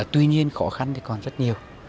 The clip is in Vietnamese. tuy nhiên khó khăn thì còn rất nhiều